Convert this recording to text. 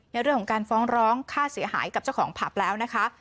ในเรื่องของการฟ้องร้องค่าเสียหายกับเจ้าของผับแล้วนะคะ